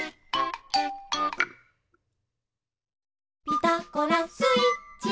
「ピタゴラスイッチ」